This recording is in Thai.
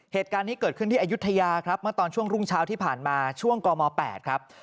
เหตุการณ์นี้เกิดขึ้นที่อายุทยาครับเมื่อตอนช่วงรุ่งเช้าที่ผ่านมาช่วงกม๘ครับ